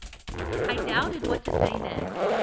"I doubted what to say next.